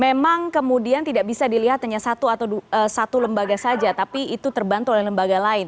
memang kemudian tidak bisa dilihat hanya satu atau satu lembaga saja tapi itu terbantu oleh lembaga lain